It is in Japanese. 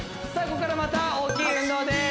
ここからまた大きい運動です